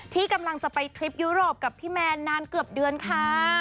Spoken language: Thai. ที่กำลังจะไปทริปยุโรปกับพี่แมนนานเกือบเดือนค่ะ